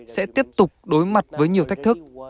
sẽ tiếp tục đối mặt với nhiều thách thức